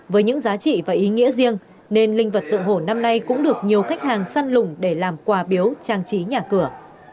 với những giá trị và ý nghĩa riêng nên linh vật tượng hồ năm nay cũng được nhiều khách hàng săn lùng để làm quà biếu trang trí nhà cửa